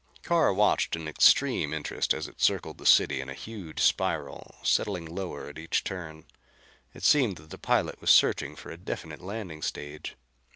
Carr watched in extreme interest as it circled the city in a huge spiral, settling lower at each turn. It seemed that the pilot was searching for a definite landing stage.